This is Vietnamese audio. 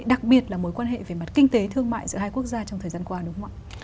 đặc biệt là mối quan hệ về mặt kinh tế thương mại giữa hai quốc gia trong thời gian qua đúng không ạ